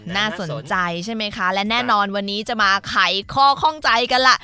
น่าสนใจใช่ไหมคะและแน่นอนวันนี้จะมาไขข้อข้องใจกันล่ะ